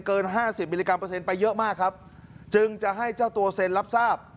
ห้าสิบมิลลิกรัเปอร์เซ็นไปเยอะมากครับจึงจะให้เจ้าตัวเซ็นรับทราบ